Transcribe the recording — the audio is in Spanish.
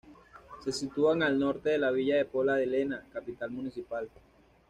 Se sitúan al norte de la villa de Pola de Lena, capital municipal.